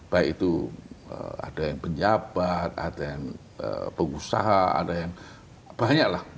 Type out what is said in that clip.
baik itu ada yang penjabat ada yang pengusaha ada yang banyak lah